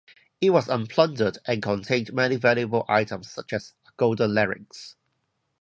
It was unplundered and contained many valuable items, such as a golden larnax.